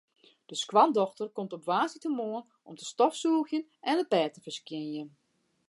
De skoandochter komt op woansdeitemoarn om te stofsûgjen en it bêd te ferskjinjen.